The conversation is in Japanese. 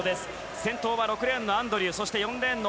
先頭は４レーンのアンドリュー。